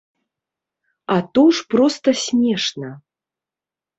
А то ж проста смешна!